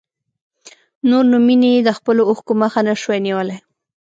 نور نو مينې د خپلو اوښکو مخه نه شوای نيولی.